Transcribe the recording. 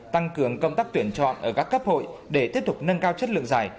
tăng cường công tác tuyển chọn ở các cấp hội để tiếp tục nâng cao chất lượng giải